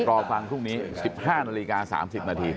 รอฟังพรุ่งนี้๑๕นาฬิกา๓๐นาที